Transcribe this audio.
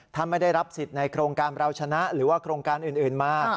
ไม่ได้รับสิทธิ์ในโครงการเราชนะหรือว่าโครงการอื่นมา